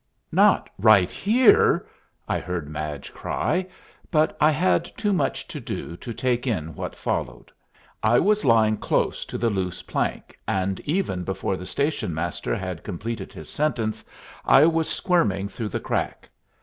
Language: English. "Not right here?" I heard Madge cry, but I had too much to do to take in what followed. I was lying close to the loose plank, and even before the station master had completed his sentence I was squirming through the crack.